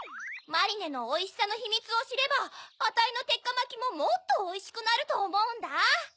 マリネのおいしさのひみつをしればあたいのてっかまきももっとおいしくなるとおもうんだ！